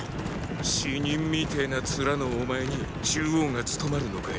死人みてェなツラのお前に中央が務まるのかよ？